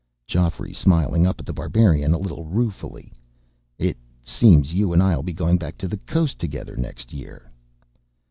Geoffrey smiled up at The Barbarian, a little ruefully. "It seems you and I'll be going back to the coast together, next year."